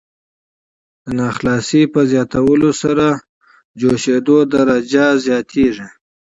د ناخالصې په زیاتولو سره جوشیدو درجه زیاتیږي.